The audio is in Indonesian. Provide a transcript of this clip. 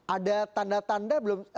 ada tanda tanda belum